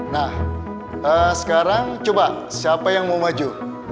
nah sekarang coba siapa yang mau maju